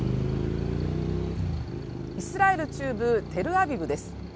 イスラエル中部テルアビブです